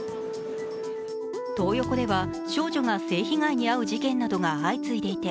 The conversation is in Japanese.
トー横では少女が性被害に遭う事件などが相次いでいて